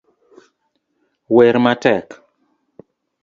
wer matek